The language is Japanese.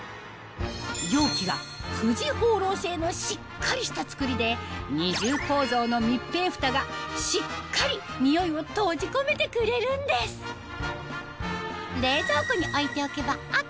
容器が富士ホーロー製のしっかりした作りで二重構造の密閉フタがしっかり匂いを閉じ込めてくれるんですどうでしょう？